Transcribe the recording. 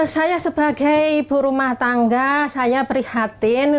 saya sebagai ibu rumah tangga saya prihatin